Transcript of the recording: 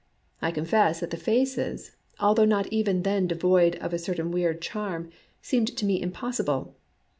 I confess that the faces, although not even then devoid of a cer tain weird charm, seemed to me impossible.